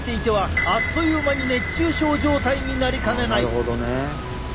なるほどね。